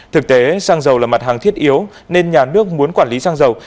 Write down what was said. thực tế sang giàu là mặt hàng thiết yếu nên nhà nước muốn quản lý sang giàu